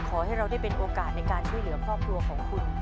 ขอให้เราได้เป็นโอกาสในการช่วยเหลือครอบครัวของคุณ